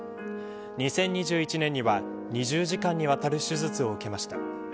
２０２１年には２０時間にわたる手術を受けました。